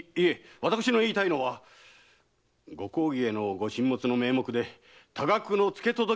私の言いたいのはご公儀へのご進物の名目で多額の付け届けをする者もいるとか。